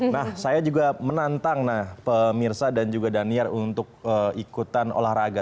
nah saya juga menantang pemirsa dan juga daniar untuk ikutan olahraga